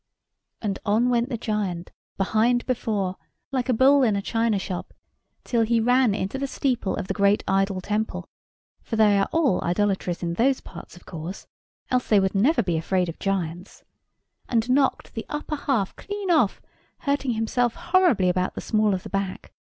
And on went the giant, behind before, like a bull in a china shop, till he ran into the steeple of the great idol temple (for they are all idolaters in those parts, of course, else they would never be afraid of giants), and knocked the upper half clean off, hurting himself horribly about the small of the back.